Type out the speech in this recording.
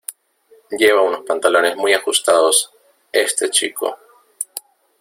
Lleva unos pantalones muy ajustados, este chico.